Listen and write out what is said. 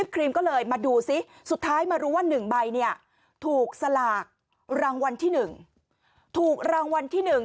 ก็เลยมาดูสิสุดท้ายมารู้ว่าหนึ่งใบเนี้ยถูกสลากรางวัลที่หนึ่งถูกรางวัลที่หนึ่ง